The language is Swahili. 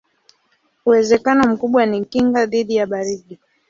Uwezekano mkubwa ni kinga dhidi ya baridi.